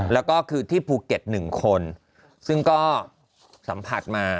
แล้วก็คือที่ภูเก็ต๑คนซึ่งก็สัมผัสมา